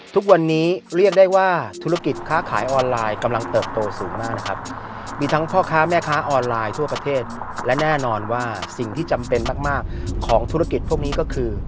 ทุกวันนี้เรียกได้ว่าธุรกิจค้าขายออนไลน์กำลังเติบโตสูงมากนะครับมีทั้งพ่อค้าแม่ค้าออนไลน์ทั่วประเทศและแน่นอนว่าสิ่งที่จำเป็นมากมากของธุรกิจพวกนี้ก็คือ